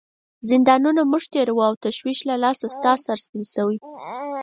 زندانونه موږ تیروو او تشویش له لاسه ستا سر سپین شوی.